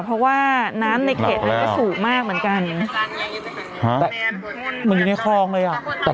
เพราะว่าน้ำในเข็ดมันก็สูงมากเหมือนกัน